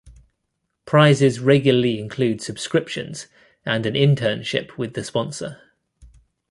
Prizes regularly include subscriptions and an internship with the sponsor.